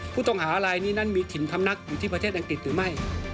ผู้ต้องหารายนี้นั้นมีถิ่นพำนักอยู่ที่ประเทศอังกฤษหรือไม่